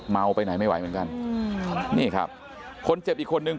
ไปไหนไม่ไหวเหมือนกันอืมนี่ครับคนเจ็บอีกคนนึง